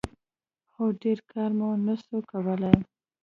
خو ډېر کار مې نسو کولاى.